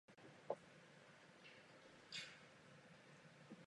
Na počest jeho zdejších pobytů byla vydána též turistická známka.